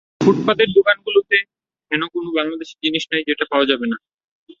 ফুটপাথের দোকানগুলোতে হেন কোনো বাংলাদেশি জিনিস নাই যেটা পাওয়া যাবে না।